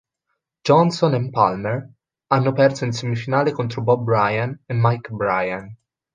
Johnson e Palmer hanno perso in semifinale contro Bob Bryan e Mike Bryan.